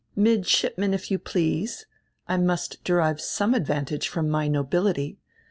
"Midshipman, if you please. I must derive some advan tage from my nobility.